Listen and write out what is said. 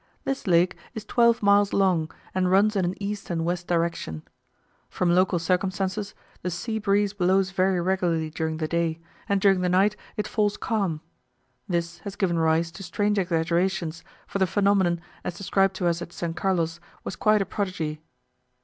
This lake is twelve miles long, and runs in an east and west direction. From local circumstances, the sea breeze blows very regularly during the day, and during the night it falls calm: this has given rise to strange exaggerations, for the phenomenon, as described to us at S. Carlos, was quite a prodigy.